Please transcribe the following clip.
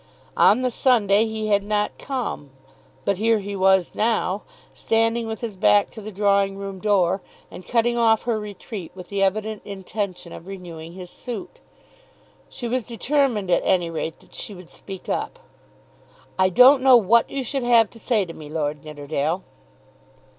On the Sunday he had not come; but here he was now, standing with his back to the drawing room door, and cutting off her retreat with the evident intention of renewing his suit. She was determined at any rate that she would speak up. "I don't know what you should have to say to me, Lord Nidderdale."